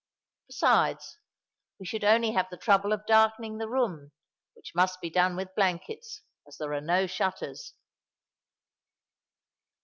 Besides, we should only have the trouble of darkening the room, which must be done with blankets, as there are no shutters."